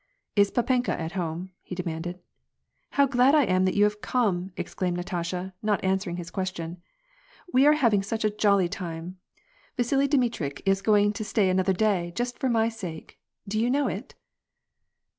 *^ Is papenka at home ?" he demanded. " How glad I am that you have come !" exclaimed Natasha, not answering his question. '^ We are having such a jolly time ; Yasili Dmitritch is going to stay another day, just for my sake ; did you know it